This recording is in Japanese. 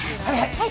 はい。